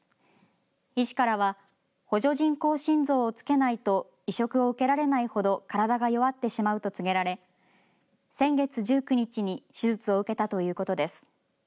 医師からは補助人工心臓をつけないと移植を受けられないほど体が弱ってしまうと告げられ先月１９日に手術を受けたということです。